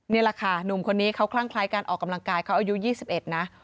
นี่แหละค่ะหนุ่มคนนี้เขาคลั่งคล้ายการออกกำลังกายเขาอายุ๒๑นะ